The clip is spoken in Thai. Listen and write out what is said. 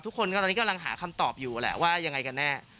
ทุกคนก็ตอนนี้กำลังหาคำตอบอยู่แหละว่ายังไงกันแน่